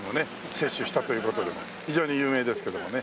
接種したという事で非常に有名ですけどもね。